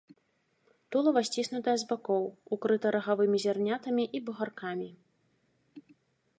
Тулава сціснутае з бакоў, укрыта рагавымі зярнятамі і бугаркамі.